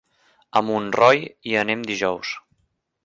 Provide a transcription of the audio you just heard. A Montroi hi anem dijous.